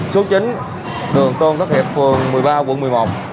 số chín đường tôn thất hiệp vườn một mươi ba quận một mươi một